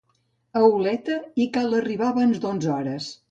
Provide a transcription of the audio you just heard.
A Oleta, hi cal arribar abans d'onze hores.